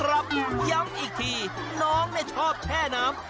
อย่างนี้นี่แหละครับย้ำอีกทีน้องน่ะชอบแช่น้ำ